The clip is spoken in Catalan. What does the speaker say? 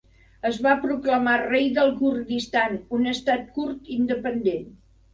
Es va proclamar rei del Kurdistan, un estat kurd independent.